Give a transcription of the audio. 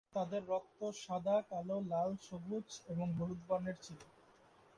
তাদের রক্ত সাদা, কালো, লাল, সবুজ এবং হলুদ বর্ণের ছিল।